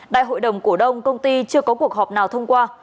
đại hội đồng cổ đông công ty chưa có cuộc họp nào thông qua